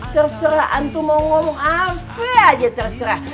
terserah antum mau ngomong apa aja terserah